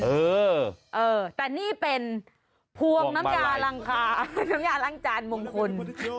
เออแต่นี่เป็นพวงน้ำยาล้างจานมงคล